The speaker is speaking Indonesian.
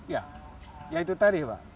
ya ya itu tadi pak